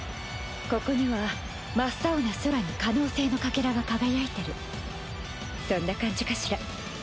ここには真っ青な空に可能性のかけらが輝いてるそんな感じかしら。